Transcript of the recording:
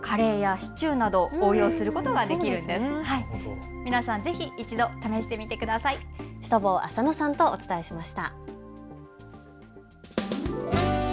シュトボー浅野さんとお伝えしました。